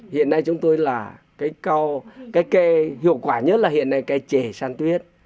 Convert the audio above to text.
hiện nay chúng tôi là cái cao cái kê hiệu quả nhất là hiện nay cái trè san tuyết